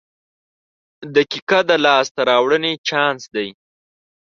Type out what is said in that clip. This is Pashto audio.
• دقیقه د لاسته راوړنې چانس دی.